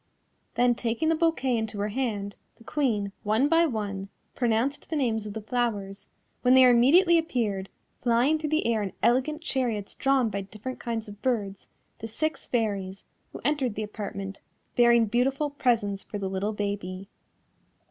Then taking the bouquet into her hand, the Queen, one by one, pronounced the names of the flowers, when there immediately appeared, flying through the air in elegant chariots drawn by different kinds of birds, the six Fairies who entered the apartment, bearing beautiful presents for the little baby.